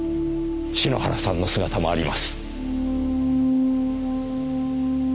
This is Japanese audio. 篠原さんの姿もあります。